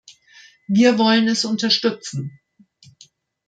Wir wollen es unterstützen.